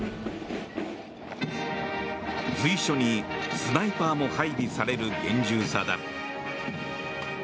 随所にスナイパーも配備される厳重さだ。